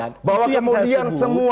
itu yang saya sembuh